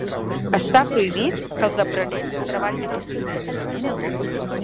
Està prohibit que els aprenents treballin els diumenges.